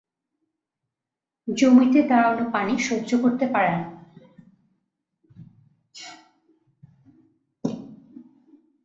জমিতে দাঁড়ানো পানি সহ্য করতে পারে না।